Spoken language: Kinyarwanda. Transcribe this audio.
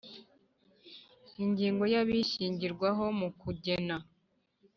Ingingo ya ibishingirwaho mu kugena